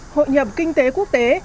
hội nhập kinh tế quốc tế